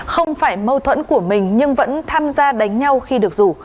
không phải mâu thuẫn của mình nhưng vẫn tham gia đánh nhau khi được rủ